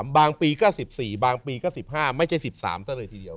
บางปีก็๑๔บางปีก็๑๕ไม่ใช่๑๓ซะเลยทีเดียว